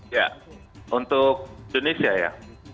ya untuk indonesia ya